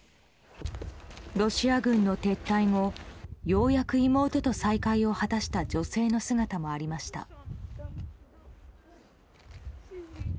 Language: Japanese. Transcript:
ロシア軍の撤退後ようやく妹と再会を果たした女性の姿もありました。